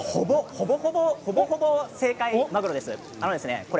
ほぼほぼ正解まぐろです。